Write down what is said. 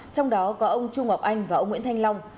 trong đó có ông trung ngọc anh và ông nguyễn thanh long